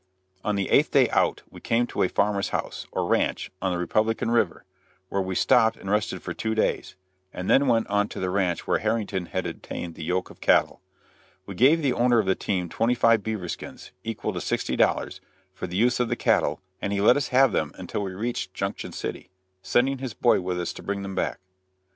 On the eighth day out we came to a farmer's house, or ranch, on the Republican River, where we stopped and rested for two days, and then went on to the ranch where Harrington had obtained the yoke of cattle. We gave the owner of the team twenty five beaver skins, equal to $60, for the use of the cattle, and he let us have them until we reached Junction City, sending his boy with us to bring them back.